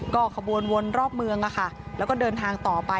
ก็ขบวนวนรอบเมืองแล้วก็เดินทางต่อไป